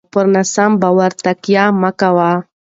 پر ناسم باور تکیه مه کوئ.